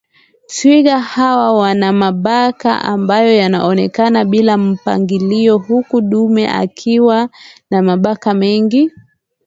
Twiga hawa wana mabaka ambayo yaonekana bila mpangilio huku dume akiwa na mabaka mengi